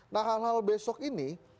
nah hal hal besok ini